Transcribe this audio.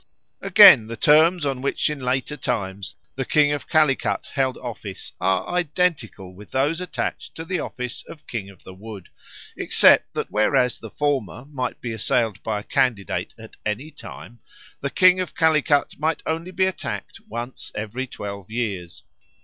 Again, the terms on which in later times the King of Calicut held office are identical with those attached to the office of King of the Wood, except that whereas the former might be assailed by a candidate at any time, the King of Calicut might only be attacked once every twelve years.